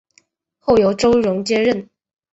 后由周荣接任。